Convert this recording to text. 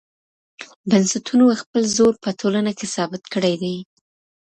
بنسټونو خپل زور په ټولنه کي ثابت کړی دی.